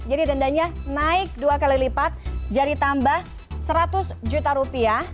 jadi dendanya naik dua kali lipat jadi tambah seratus juta rupiah